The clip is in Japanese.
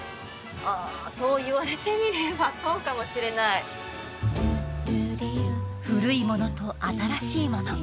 あそう言われてみればそうかもしれない古いものと新しいもの